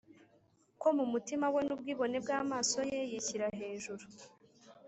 ko mu mutima we n ubwibone bw amaso ye yishyira hejuru